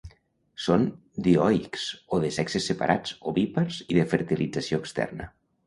Són dioics, o de sexes separats, ovípars, i de fertilització externa.